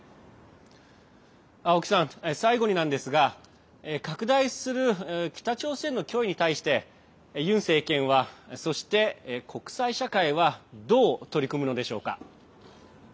青木さん、最後になんですが拡大する北朝鮮の脅威に対してユン政権は、そして国際社会はどう取り組むのでしょうか？